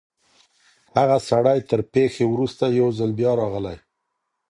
هغه سړی تر پېښي وروسته یو ځل بیا راغلی.